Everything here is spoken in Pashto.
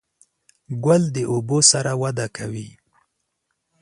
ګل د اوبو سره وده کوي.